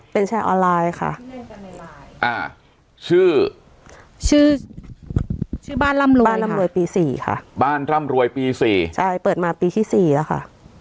เป็นแชร์ออนไลน์ค่ะอ่าชื่อชื่อชื่อบ้านร่ำรวยบ้านร่ำรวยปีสี่ค่ะ